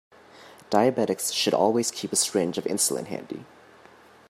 Diabetics should always keep a syringe of insulin handy.